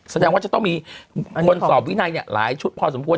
แสดงว่าจะต้องมีคนสอบวินัยหลายชุดพอสมควร